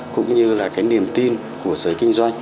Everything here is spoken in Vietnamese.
cũng như niềm tin của giới kinh doanh